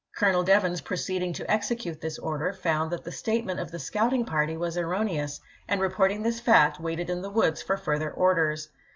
Colonel Devens proceeding to execute this order found that the statement of the scouting party was erroneous, and reporting this fact waited in the woods for further orders.